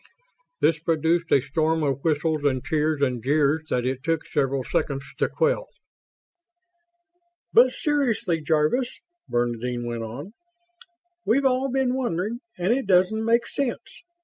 This produced a storm of whistles, cheers and jeers that it took several seconds to quell. "But seriously, Jarvis," Bernadine went on. "We've all been wondering and it doesn't make sense.